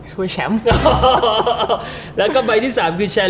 ๖ถ้วยได้มาแล้ว๖